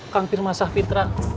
kang pirmasah fitra